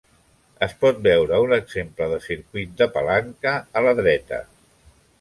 Es pot veure un exemple de circuit de palanca a la dreta.